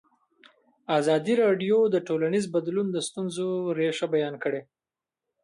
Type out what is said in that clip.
ازادي راډیو د ټولنیز بدلون د ستونزو رېښه بیان کړې.